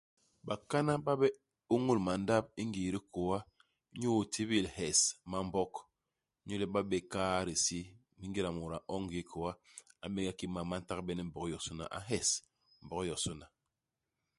Bakana ba bé ôñôl mandap i ngii i dikôa inyu itibil hes mambok ; inyu le ba bé kaa disi. Ingéda mut a ñoñ i ngii hikôa, a m'bénge kiki mam ma ntagbene ni mbok yosôna, a nhés mbok yosôna.